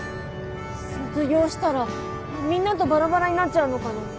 卒業したらみんなとバラバラになっちゃうのかな。